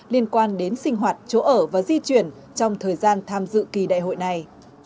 liên quan đến sinh hoạt chỗ ở và di chuyển trong thời gian tham dự kỳ đại hội này